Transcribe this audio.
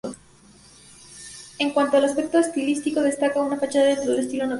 En cuanto al aspecto estilístico, destaca su fachada dentro de estilo neoclásico.